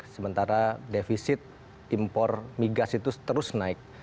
sementara defisit impor migas itu terus naik